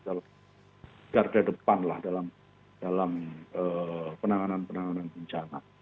dar goal depan lah dalam dalam penanganan penanganan bencana